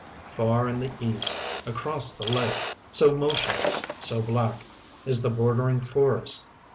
Far in the east, across the lake, so motionless, so black, is the bordering forest.